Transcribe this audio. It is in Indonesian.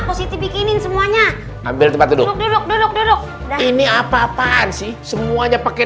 posisi bikinin semuanya ambil tempat duduk duduk duduk ini apa apaan sih semuanya pakai